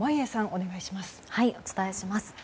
お伝えします。